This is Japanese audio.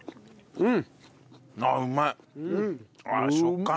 うん。